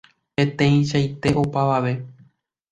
Peteĩchante opavave.